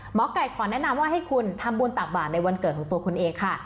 หมอไก่ขอแนะนำว่าให้คุณทำบุญตักบาทในวันเกิดของตัวคุณเองค่ะ